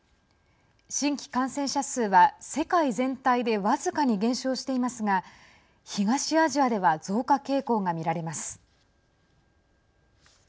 新規感染者数は世界全体で僅かに減少していますが東アジアでは増加傾向が見られます。